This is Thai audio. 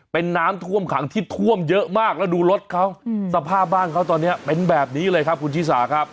เป็นน้ำท่วมขังที่ท่วมเยอะมากแล้วดูรถเขาสภาพบ้านเขาตอนนี้เป็นแบบนี้เลยครับคุณชิสาครับ